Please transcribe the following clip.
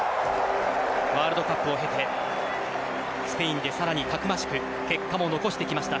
ワールドカップを経てスペインでさらにたくましく結果も残してきました。